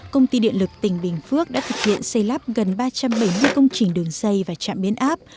công ty điện lực tỉnh bình phước đã thực hiện xây lắp gần ba trăm bảy mươi công trình đường xây và trạm biến áp